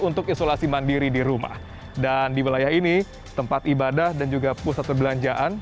untuk isolasi mandiri di rumah dan di wilayah ini tempat ibadah dan juga pusat perbelanjaan